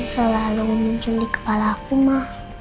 selalu muncul di kepala aku mah